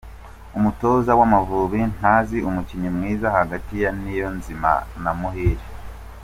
Umutoza wamavubi ntazi umukinnyi mwiza hagati ya niyonzima na muhire